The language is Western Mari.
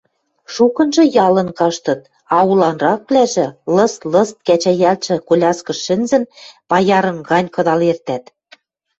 Шукынжы ялын каштыт, а уланраквлӓжӹ, лыст-лыст кӓчӓйӓлтшӹ коляскыш шӹнзӹн, паярын гань кыдал эртӓт…